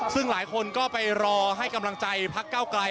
ซึ่งหลายคนก็ไปรอให้กำลังใจพักเก้าไกล